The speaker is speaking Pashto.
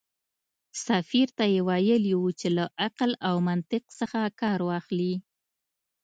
سفیر ته یې ویلي و چې له عقل او منطق څخه کار واخلي.